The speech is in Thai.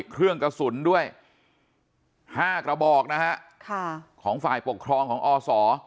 เครื่องกระสุนด้วย๕กระบอกนะฮะของฝ่ายปกครองของอศ